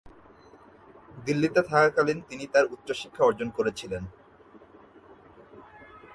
দিল্লিতে থাকাকালীন তিনি তার উচ্চশিক্ষা অর্জন করেছিলেন।